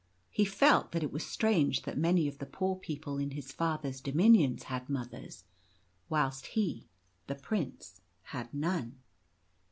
He felt that it was strange that many of the poor people in his father's dominions had mothers, whilst he, the prince, had none.